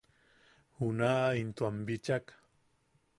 Junaʼa into am bichak: